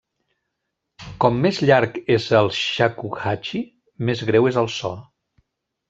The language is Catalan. Com més llarg és el shakuhachi, més greu és el so.